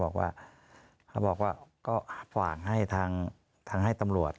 คับหวากให้ทางทางให้ตำรวจ